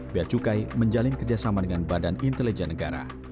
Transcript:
beacukai menjalin kerjasama dengan kepulauan aruah